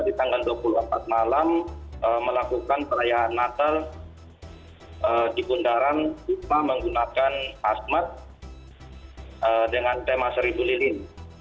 di tanggal dua puluh empat malam melakukan perayaan natal di pundaran wisma menggunakan hasmat dengan tema seri bulilin